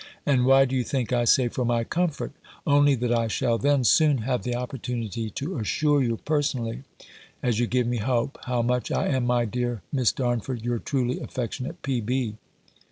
And why do you think I say for my comfort? Only that I shall then soon have the opportunity, to assure you personally, as you give me hope, how much I am, my dear Miss Darnford, your truly affectionate. P.